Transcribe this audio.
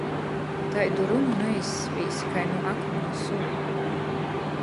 Taidu runu naizspīssi kai nu akmiņa sulu.